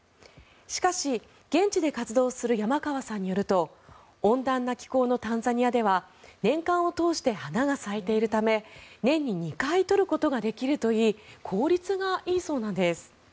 しかし、現地で活動する山川さんによると温暖な気候のタンザニアでは年間を通して花が咲いているため年に２回採ることができるといい効率がいいそうなんです。